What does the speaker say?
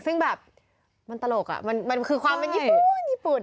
ซึ่งแบบมันตลกมันคือความเป็นญี่ปุ่นญี่ปุ่น